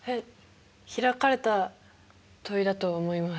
開かれた問いだと思います。